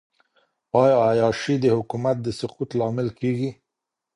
آیا عیاشي د حکومت د سقوط لامل کیږي؟